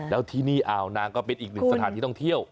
แล้วที่นี่อ่าวนางก็เป็นอีกหนึ่งสถานที่ท่องเที่ยว